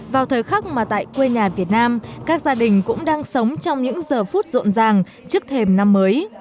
vào thời khắc mà tại quê nhà việt nam các gia đình cũng đang sống trong những giờ phút rộn ràng trước thềm năm mới